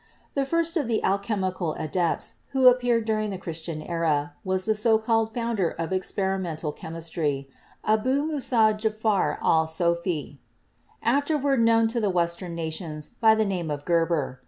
The first of the "alchemical adepts" who appeared dur ing the Christian era was the so called founder of experi mental chemistry, Abou Moussah Djafar al Soft, afterward known to Western nations by the name of Geber.